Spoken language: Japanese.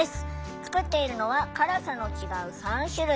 作っているのは辛さの違う３種類。